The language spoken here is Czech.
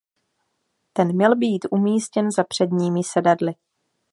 Ten měl být umístěn za předními sedadly.